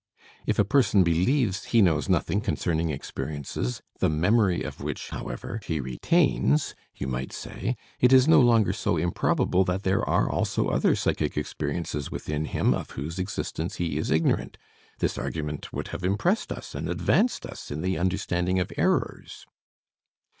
"If a person believes he knows nothing concerning experiences, the memory of which, however, he retains," you might say, "it is no longer so improbable that there are also other psychic experiences within him of whose existence he is ignorant. This argument would have impressed us and advanced us in the understanding of errors."